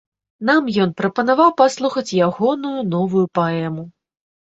Нам ён прапанаваў паслухаць ягоную новую паэму.